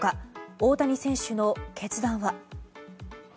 大谷選手の決断は。